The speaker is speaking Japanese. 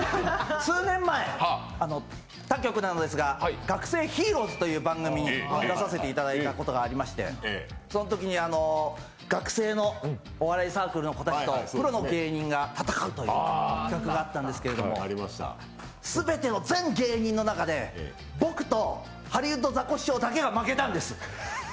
数年前、他局なのですが「学生ヒーローズ」という番組に出させていただいたことがありましてそのときに学生のお笑いサークルの子たちとプロの芸人が戦うという企画があったんですけれども、全ての全芸人の中で僕とハリウッドザコシショウだけが負けたんです。